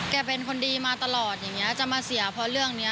เป็นคนดีมาตลอดอย่างนี้จะมาเสียเพราะเรื่องนี้